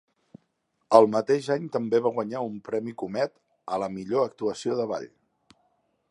El mateix any també va guanyar un premi Comet a la millor actuació de ball.